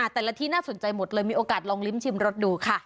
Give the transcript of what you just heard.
แต่ละที่น่าสนใจหมดเลยมีโอกาสลองลิ้มชิมรสดูค่ะ